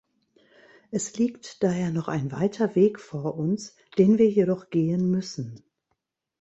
Es liegt daher noch ein weiter Weg vor uns, den wir jedoch gehen müssen.